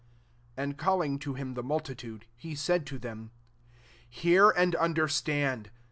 ^ 10 And calling to him the multitude, he said to them, «' Hear, and understand.